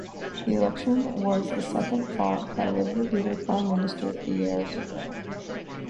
The election was the second fought by Liberal leader, Prime Minister Pierre Trudeau.